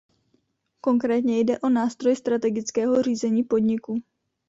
Konkrétně jde o nástroj strategického řízení podniku.